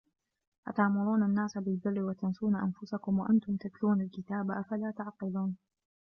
أَتَأْمُرُونَ النَّاسَ بِالْبِرِّ وَتَنْسَوْنَ أَنْفُسَكُمْ وَأَنْتُمْ تَتْلُونَ الْكِتَابَ ۚ أَفَلَا تَعْقِلُونَ